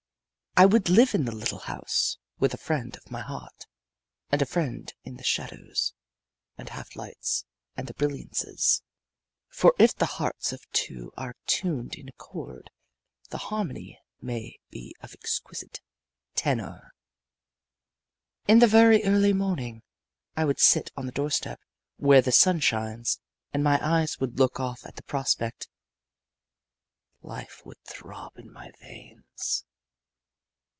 I would live in the little house with a friend of my heart a friend in the shadows and half lights and brilliances. For if the hearts of two are tuned in accord the harmony may be of exquisite tenor. In the very early morning I would sit on the doorstep where the sun shines, and my eyes would look off at the prospect. Life would throb in my veins.